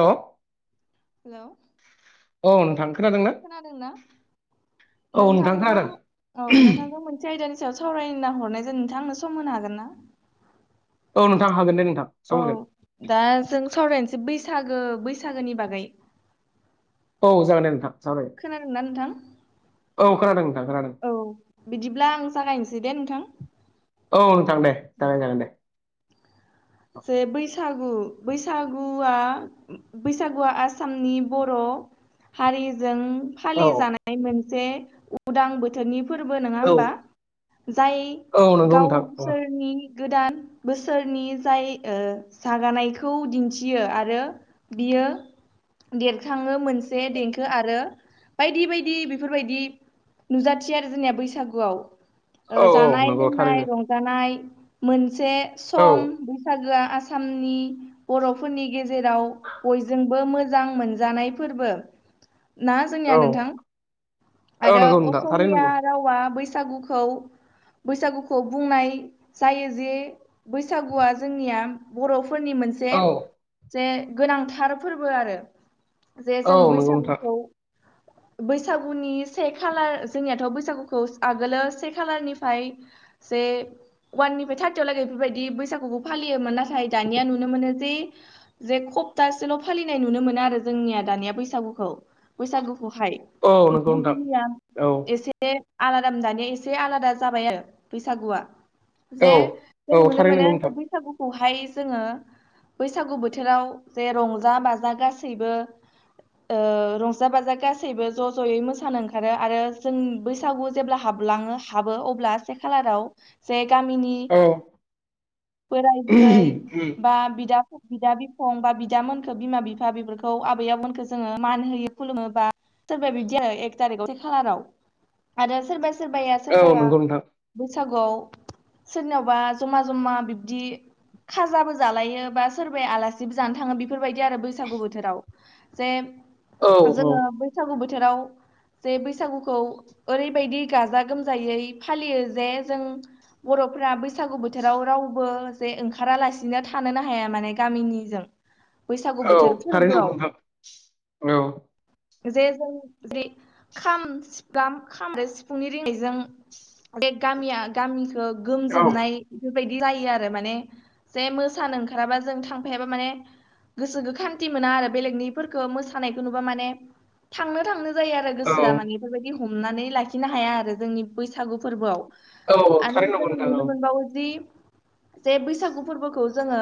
हेल' हेल' औ नोंथां खोनादोंना खोनादों ना औ नोंथां नोंथांजों खोनादों औ नोंथांखौ आयदानि सायाव सावरायना हरनाय जायो नोंथां आंनो सम होन हागोन ना औ नोंथां हागोन दे नोंथां औ सम होगोन दा जों सावरायनोसै बैसागो बैसागोनि बागै औ जागोन दे नोंथां सावराय खोनादोंना नोंथां औ खोनादों नोंथां खोनादों औ बिदिब्ला आं जागायनोसै दे नोंथां औ नोंथां दे जागाय जागोन दे जे बैसागु बैसागुआ बैसागुआ आसामनि बर' हारिजों औ फालि जानाय मोनसे उदां बोथोरनि फोरबो नङा औ होमबा जाय औ नंगौ नोंथां औ गावसोरनि गोदान बोसोरनि जाय जागानायखौ दिन्थियो आरो बियो देरखाङो मोनसे देंखो आरो बायदि बायदि बेफोरबायदि नुजाथियो आरो जोंनिया बैसागुआव औ जानाय नंगौ लोंनाय थारैनो रं‌ जानाय मोनसे औ सम बैसागोआ आसामनि बर'फोरनि गेजेराव बयजोंबो मोजां मोनजानाय फोरबो ना जोंनिया औ नोंथां औ आरो नंगौ नोंथां थारैनो असमिया नंगौ रावा बै सागुखौ बुंनाय जायो जे बैसागु गुआ जोंनिया बर'फोरनि मोनसे औ जे गोनांथार फोरबो आरो जे औ जों नंगौ नोंथां बैसागुखौ बैसागुनि से खालार जोंनियाथ' बैसागुखौ आगोलो से खालारनिफ्राय जे ववाननिफ्राय थार्टियाव लागै बेफोरबायदि बैसागु बो फालियोमोन नाथाय दानिया नुनो मोनो जे जे सप्तासेल' फालिनाय नुनो मोना आरो जोंनिया दानिया बैसागुखौ बैसागुखौहाय औ नंगौ नोंथां औ [unintelligible] एसे एसे आलादा दानिया एसे आलादा जाबाय आरो बैसागुआ औ जे जों औ नुनो थारैनो मोनो नंगौ बे नोंथां बैसागुखौहाय जोङो बैसागु बोथोराव जे रंजा बाजा गासैबो ओ रंजा बाजा गासैबो ज' ज'यै मोसानो ओंखारो आरो जों बैस बैसागु जे हाबलाङो हाबो अब्ला से खालाराव जे गामिनि औ बोराय बुरै बा बिदा बिदा बिफं बा बिदामोनखो बिमा बिफा बेफोरखौ आबै आबमोनखौ जोङो मान होयो खुलुमोबा सोरबा बिदि आरो एक थारिखआव से खालाराव आरो सोरबा सोरबाया औ सोरबाया नंगौ नोंथां बैसागुआव सोरनावबा जमा जमा दि खाजाबो जालायो बा सोरबाया आलासिबो जानो थाङो बेफोरबायदि आरो बैसागु बोथोराव जे औ औ जोङो बैसागु बोथोराव जे बैसागुखौ ओरैबायदि गाजा गोमजायै फालियो जे जों बर'फोरा बैसागु बोथोराव राव बो जे ओंखारालासिनो थानोनो हाया माने गामिनिजों बैसागु औ बोथोर थारैनो नंगौ फोरबोआव नोंथां जे जों जे खाम सि खाम आरो सिफुंनि रिनायजों बे गामिया [inaudible] गामिखौ औ गोमजोबनाय बेफोरबायदि गलायो आरो माने जे मोसानो ओंखाराबा जों थांफायाबा माने गोसोखौ खान्थि मोना आरो बेलेगनिफोरखौ मोसानायखौ नुबा माने थांनो थांनो जायो आरो गोसोआ औ माने बेफोरबायदि हमनानै लाखिनो हाया आरो जोंनि बैसागु फोरबोआव औ आरो थारैनो नंगौ जों नोंथां औ नुनो मोनबावो जि जे बैसागु फोरबोखौ जोङो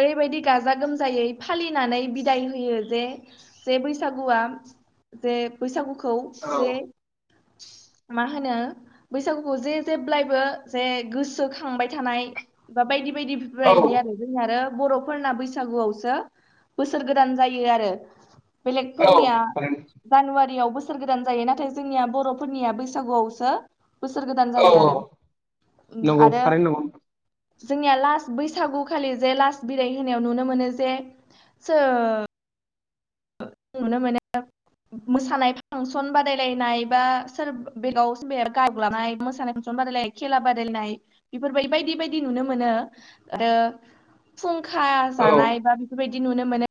ओरैबायदि गाजा गोमजायै फालिनानै बिदाय होयो जे जे बैसागुआ जे बैसागुखौ जे मा होनो बैसागुखौ जे जेब्लायबो जे गोसोखांबाय थानाय बा बायदि बायदि औ बायदि आरो। जों आरो बर'फोरना बैसागुआवसो बोसोर गोदान जायो आरो। औ बेलेगफोरनिया थारैनो जानुवारियाव बोसोर गोदान जायो नाथाय जोंनिया बर' फोरनिया बैसागुआवसो बोसोर गोदान औ जायो आरो नंगौ आरो थारैनो नंगौ जोंनिया लास्ट बैसागुखालि जे लास्ट बिदइ होनायाव नुनो मोनो जे सो नुनो मोना मोसानाय फांसन बादायलायनाय बा सोर बेगाव सोरबाया गाय लानाय मोसानाय फांसन बादायलाय खेला बादायनाय बेफोरबायदि बायदि बायदि नुनो मोनो आरो फुंखा औ जानाय बा बेफोरबायदि नुनो मोनो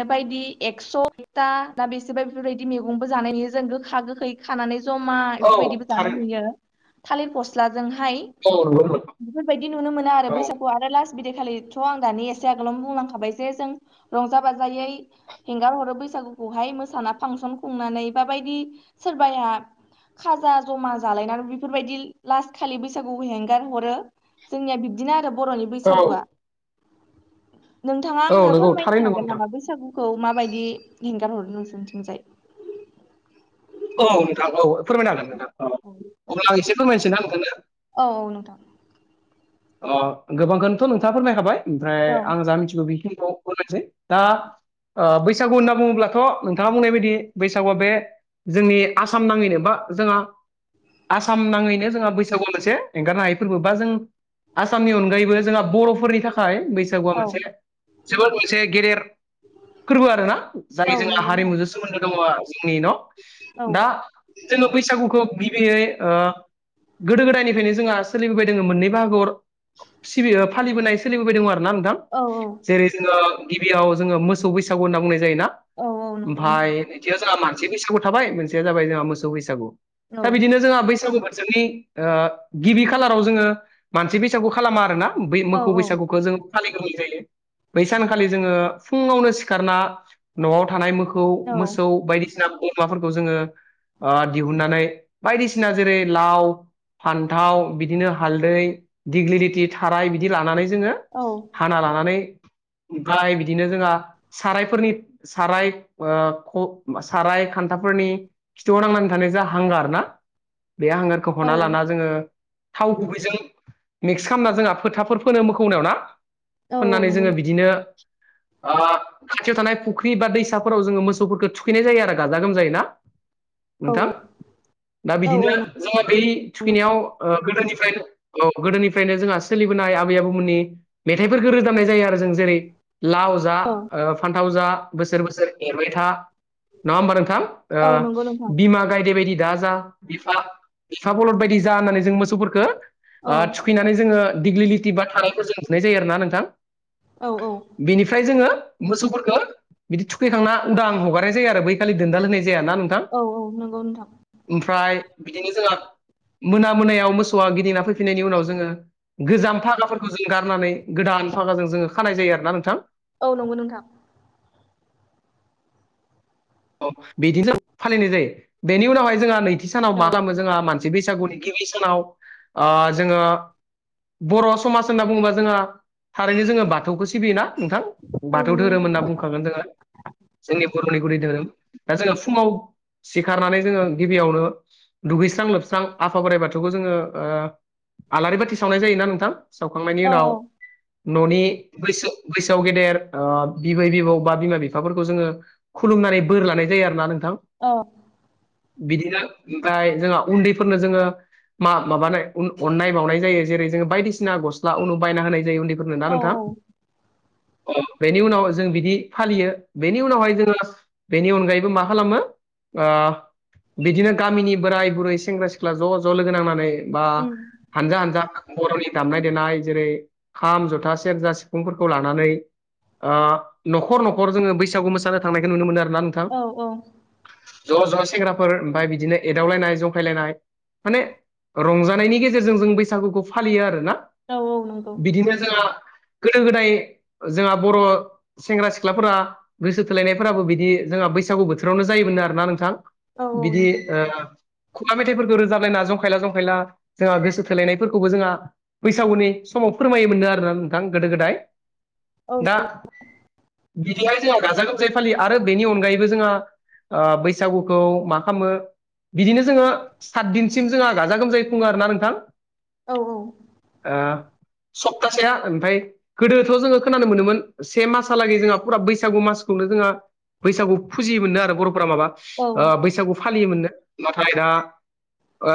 बेबायदि एक्स'था दा बेसेबा बेफोरबायदि मैगंबो जानायनि जों गोखा गोखै। खानानै जमा औ बेफोरबायदिबो जानाय थारैनो नुयो थालिर फस्लाजोंहाय औ नंगौ नोंथां बेफोरबायदि नुनो मोना आरो औ बैसागु आरो लास्ट बिदैखालिथ' आं दानि एसे आगोलावनो बुंलांखाबाय जे जों रंजा बाजायै हेंगार हरो बैसागुखौहाय मोसाना फांसन खुंनानै बााबायदि सोरबाया खाजा जमा जालायनानै बेफोरबायदि लास्ट खालि बैसागुखौ हेंगार हरो जोंनिया बिब्दिनो आरो बर'नि औ बैसागुआ नोंथाङा आंनो नंगौ फोरमायनो थारैनो नंगौ हागोन नोंथां नामा बैसागुखौ माबायदि हेंगार हरनो सोंथिोंजाय औ नोंथां औ फोरमायनो हागोन नोंथां औ अब्ला आं एसे फोरमायनोसै ना नोंगोननो औ औ नोंथां। गोबांखौनोथ' नोंथाङा फोरमायखाबाय ओमफ्राय औ आं जा मिथिगौ बेखिनिखौ बुंायसै दा बैसागु होनना बुङोब्लाथ' नोंथाङा बुंनाय बायदि बैसागुआ बे जोंनि आसाम नाङैनो बा जोंहा आसाम नाङैनो जोंहा बैसागु मोनसे एंगारनो हायै फोरबो बा जों आसामनि अनगायैबो जोंहा बर'फोरनि थाखाय बैसागुआ औ मोनसे जोबोद मोनसे गेदेर फोरबो आरोना जाय औ जोंना नंगौ नोंथां हारिमुजों सोमोन्दो दङ जोंनि न' औ दा जोङो बैसागुखौ गिबियै गोदो गोदायनिफ्रायनो जोंहा सोलिबोबाय दङ मोननै ब सिबि फालिबोनाय सोलिबोबाय दं आरोना नोंथां। औ औ। जेरै जोङो गिबियाव जोङो मोसौ बैसागु होनना बुंनाय जायोना औ औ नंगौ नोंथां ओमफफ्राय मोनसेयाव जोंहा मानसे बैसागु थाबाय मोनसेया जाबाय जोंहा मोसौ बैसागु औ दा बिदिनो जोंहा बैसागु बजोंनि गिबि खालाराव जोङो मानसि बैसागु खालामा आरोना ब औ मोखौौ बैसागुखौ जों गोै जायो बै सानखालि जोङो फुङावनो सिखारना न'आव थानाय मो औ मोसौ बायदिसिना बोरमाफोरखौ जोङो दिहुननानै बायदिसिना जेरै लाव फान्थाव बिदिनो हालदै दिग्लि रिथि थाराय बिदि लानानै जोङो औ। खाना लानानै ओमफ्राय बिदिनो जोंहा सारायफोरनि साराय साराय खान्थाफोरनि खिथुआव नांनानै थानाय जा हांगार ना बे हांगार खौ औ हना लाना जोङो थाव गुबैजों मिक्स खालामना जोंहा फोथाफोर फोनो मोखौनियाव ना औ औ फोननानै नंगौ जोङो नों बिदिनो आ खाथियाव थानाय फुख्रि बा दैसाफोराव जोङो मोसौफोरखौ थुखैनाय जायो आरो गाजा गोमजाय ना? औ नोंथां दा औ औ बिदिनो नंगौ जोङो बै थुखैनायाव ओ गोदोनिफ्रायनो औ गोदोनिफ्रायनो जोंहा सोलिबोनाय आबै आबौमोननि मेथाइफोरखौ रोजाबनाय जायो आरो जों जेरै लाव जा औ ओ फानथाव जा बोसोर बोसोर एरबाय था नङा होमबा नोंथां? ओ औ नंगौ नोंथां बिमा गायदे बायदि दा जा बिफा बिफा बलद बायदि जा होननानै जों मोसौफोरखो औ ओ थुखैनानै जोङो दिग्लिटि बा थारायखौ जों बुनाय जायो आरोना नोंथां औ औ बिनिफ्राय जोङो मोसौफोरखो बिदि थुखैखांना उदां हगारनाय जायो आरो बैखालि दोनदाल होनाय जाय ना नोंथां? औ औ नंगौ नोंथां ओमफ्राय बिदिनो जोंहा मोना मोनायाव मोसौआ गिदि फिननायनि उनाव जोङो गोजाम फागाफोरखौ जों गारनानै गोदान फागाजों जोङो खानाय जायो आरोना नोंथां औ नंगौ नोंथां बिदिनो फालिनाय जायो बेनि उनावहाय जोंहा नैथि सानाव औ मा खालामो जोंहा मान सि बैसागुनि गिबि सानाव ओ जोङो बर समाज होनना बुङोबा जोंहा थारैनो जोङो बाथौखौ सिबियोना नोंथां औ बाथौ नंगौ धोरोम नोंथां होनना बुंखागोन जोङो जोंनि बरनि गुदि धोरोम दा जोंङो फुङाव सिखारनानै जोङो गिबियावनो दुगैस्रां लोबस्रां आफा बोराइ बाथौखौ जोङो ओ आलारि बाथि सावनाय जायोना नोंथां सावखांनायनि औ उनाव ननि बैसो बैसोआव गेदेर ओ बिबै बिबौ बा बिमा बिफाफोरखौ जोङो खुलुमनानै बोर लानाय जायो आरोना नोंथां अ बिदिनो ओमफ्राय जोंहा उन्दैफोरनो जोङो मा माबानाय अननाय बावनाय जायो जेरै जोङो बायदिसिना गस्ला उनु बायना होनाय जायो उन्दै फोरनो औ ना औ नोंथां बेनि उनाव जों बिदि फालियो बेनि उनावहाय जोङो बेनि अनगायैबो मा खालामो ओ बिदिनो गामिनि बोराय बुरै सेंग्रा सिख्ला ज ज लोगो नांनानै बा उम हानजा हानजा बर नि दामनाय देनाय जेरै खाम जथा सेरजा सिफुंफोरखौ लानानै ओ नखर नखर जोङो बैसागु मोसानो थांनायखौ नुनो मोन आरोना नों औ औ ज ज सेंग्राफोर ओमफ्राय बिदिनो एदावलायनाय जंखायलायनाय माने रंजानायनि गेजेरजों जों बैसागुखौ फालियो आरोना औ औ नंगौ बिदिनो जोंहा गोदो गोदाय जोंहा बर सेंग्रा सिख्लाफोरा गोसो थोलायनायफोराबो बिदि जोंहा बैसागु बोथोरावनो जायोमोननो आरोना नोंथां औ औ बिदि नोंथां ओ खुगा मेथाइफोरखौ रोजाबलायना जंखायला जंखायला जोंहा गोसो थोलायनायफोरखौबो जोंहा बैसागुनि समाव फोरमायो मोननो आरोना नोंथां गोदो गोदाय औ दा बिदिहाय जोंहा गाजा गोमजायै फालि आरो बेनि अनगायैबो जोंहा ओ बैसागुखौ मा खालामो? बिदिनो जोङो सात दिनसिम जोंहा गाजा गोमजायै खुङो आरो ना नोंथां। औ औ। ओ सप्तासेआ ओमफ्राय गोदोथ' जोङो खोनानो मोनोमोन से मासहालागै जोंहा फुरा बैसागु मासखौनो जोंहा- बैसागु फुजियोमोननो आरो बर'फोरा माबा औ बैसागु फालियोमोननो नाथाय दा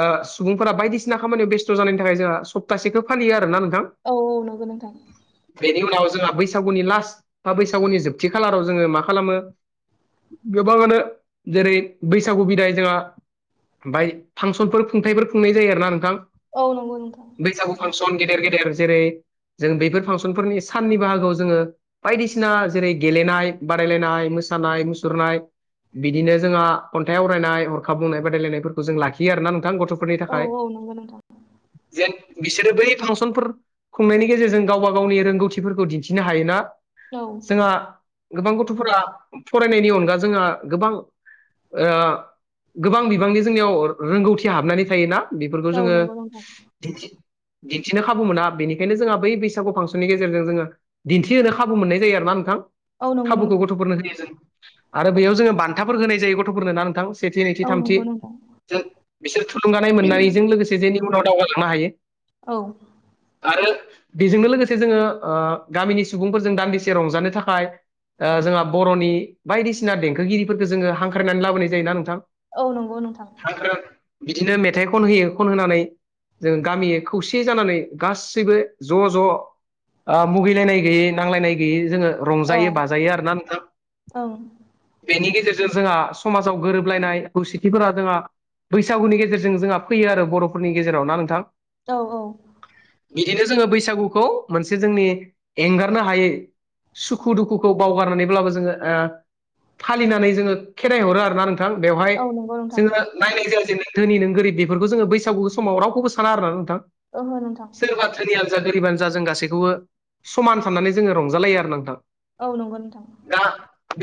ओ सुबुंफोरा बायदिसिना खामानियाव बेस्थ' जानायनि थाखाय जोंहा सप्तासेखो फालियो आरोना नोंथां। औऔ नंगौ नोंथां। बेनि उनाव जोंहा बैसागुनि लास्ट बा बैसागुनि जोबथि खालाराव जोङो मा खालामो गोबाङानो जेरै बैसागु बिदाय जोंहा ओमफाय फांसनफोर खुंथायफोर खुंनाय जायो आरोना नोंथां। औ नंगौ नोंथां। बैसागु फांसन गेदेर गेदेर जेरै जों बैफोर फांसनफोरनि साननि बाहागोआव जोङो बायदिसिना जेरै गेलेनाय बादायलायनाय मोसानाय मुसुरनाय, बिदिनो जोंहा खन्थाइ आवरायनाय हरखा बुंनाय बादायलायनायफोरखौ जों लाखियो आरोना नोंथां गथ'फोर नि औ थाखाय जेन बिसोरो बै फांसनफोर खुंनायनि गेजेरजों गावबा गावनि रोंगौथिफोरखौ दिन्थिनो हायोना। औ जोंहा गोबां गथ'फोरा फरायनायनि अनगा जोंहा गोबां ओ गोबां बिबांनि जोंनियाव रोंगौथिया हाबनानै थायोना। बेफोरखौ औ जोङो नंगौ नोंथां औ दिनथि दिन्थिनो खाबु मोना बेनिखायनो जोंहा बै बैसागु फांसननि गेजेरजों जोङो दिन्थिहोनो खाबु मोननाय जायो आरो ना नोंथां। औ नंगौ नोंथां औ नंगौ खाबुखौ नोंथां गथ'फोरनो होयो जों आरो बेयाव जोङो बान्थाफोर होनाय जायो। गथ'फोरनो ना नोंथां। सेथि नैथि औ नंगौ थामथि नोंथां जों बिसोर थुलुंगानाय मोननायजों लोगोसे जेनि उनाव दावगालांनो हायो। औ आरो बेजोंनो लोगोसे जोङो ओ गामिनि सुबुंफोरजों दान्दिसे रंजानो थाखाय जोंहा बर'नि बायदिसिना देंखोगिरिफोरखौ जोङो हांख्रायनानै लाबोनाय जायोना नोंथां। औ नंगौ नोंथां। हांक्राय बिदिनो मेथाइ खन होयो खन होनानै जों गामिय खौसे जानानै गासैबो ज' ज' ओ मुगैलायनाय गैयै नांलायनाय गैयै जोङो रंजायो बाजायो आरोना नोंथां। औ बेनि गेजेरजों जोंहा समाजाव गोरोबलायनाय खौसेथिफोरा जोंहा बैसागुनि गेजेरजों जोंहा फैयो आरो बर'फोरनि गेजेराव ना नोंथां। औ औ बिदिनो जोङो बैसागुखौ मोनसे जोंनि एंगारनो हायै सुखु दुखुखौ बावगारनानैब्लाबो जों जोङो ओ फालिनानै जोङो खेराइ हरो आरोना नोंथां बेवहाय औ नंगौ नोंथां जोङो नायनाय जाया जों धोनि नों गोरिब बेफोरखौ जोङो बैसागु समाव रावखौबो साना आरोना नोंथां। ओहो नोंथां। सोरबा धोनियानो जा गोरिबानो जा जों गासैखौबो समान साननानै जोङो रंजालायो आरो नोंथां‌। औ नंगौ नोंथां। दा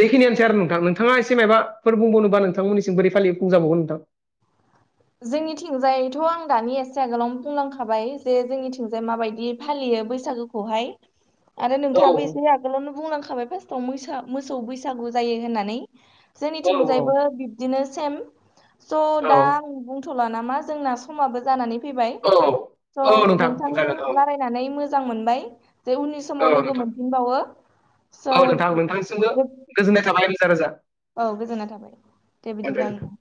बेखिनियानोसै आरो नोंथां नोंथाङा एसे माबाफोर बुंबावनोबा नोंथांमोननिसिम बोरै फालि बुंजाबावगोन नोंथां। जोंनिथिंजायैथ' आं दानि एसे आगोलावनो बुंलांखाबाय जे जोंनिथिंजाय माबायदि फालियो बैसागोखौहाय। आरो औ नोंथाङाबो एसे आगोलावनो बुंलांखाबाय फार्स्टआव मोसा-मोसौ बैसागु जायो होननानै। औ जोंनिथिंजायबो बिब्दिनो सेम स' दा आं बुंथ'ला नामा जोंना समाबो जानानै फैबाय औ स' औ नोंथां नोंथांजों जागोन औ रालाय नानै मोजां मोनबाय। जे उननि समाव औ लोगो नोंथां मोनफिनबावो औ नोंथां स' नोंथांसिमबो गोजोननाय थाबाय रोजा रोजा औ गोजोनाय थाबाय दे बिदिब्ला नों